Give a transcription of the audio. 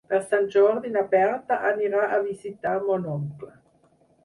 Per Sant Jordi na Berta anirà a visitar mon oncle.